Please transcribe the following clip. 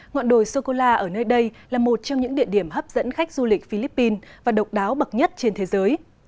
ngọn đồi sô cô la ở nơi đây là một trong những địa điểm hấp dẫn khách du lịch philippines và độc đáo bậc nhất trên thế giới